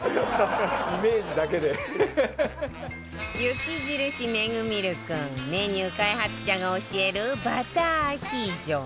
雪印メグミルクメニュー開発者が教えるバターアヒージョ